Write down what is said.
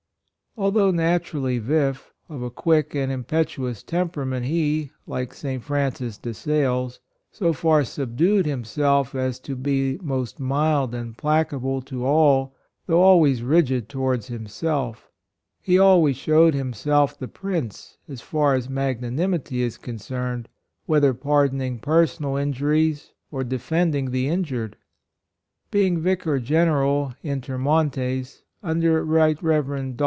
Although naturally vif — of a quick and impetuous temperament he, like St. Francis De Sales, so far subdued himself as to be most mild and placable to all though always rigid towards himself. He always showed himself the Prince, as far as magnanimity is concerned, whether pardoning personal injuries or de fending the injured. , Being Vicar General, inter monies, under Rt. Rev. Dr.